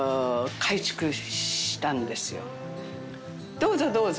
どうぞどうぞ。